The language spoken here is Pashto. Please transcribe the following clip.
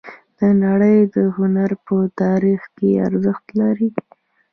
د نړۍ د هنر په تاریخ کې ارزښت لري